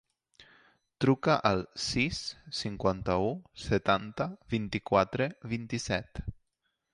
Truca al sis, cinquanta-u, setanta, vint-i-quatre, vint-i-set.